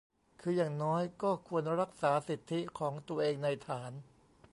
คืออย่างน้อยก็ควรรักษาสิทธิของตัวเองในฐาน